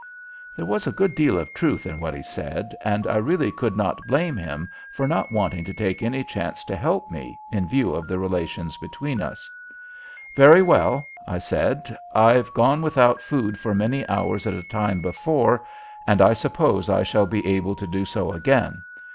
There was a good deal of truth in what he said, and I really could not blame him for not wanting to take any chances to help me, in view of the relations between us. "Very well," I said; "I've gone without food for many hours at a time before and I suppose I shall be able to do so again.